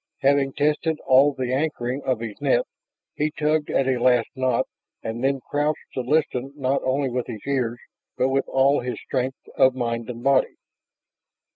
Having tested all the anchoring of his net, he tugged at a last knot, and then crouched to listen not only with his ears, but with all his strength of mind and body.